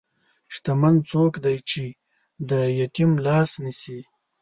شتمن څوک دی چې د یتیم لاس نیسي.